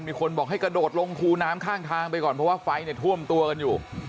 มีคนบอกให้กระโดดลงคูน้ำข้างทางไปก่อนเพราะว่าไฟเนี่ยท่วมตัวกันอยู่